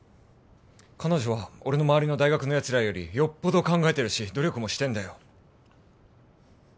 彼女は俺のまわりの大学のやつらよりよっぽど考えてるし努力もしてるんだよ